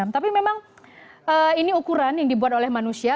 tapi memang ini ukuran yang dibuat oleh manusia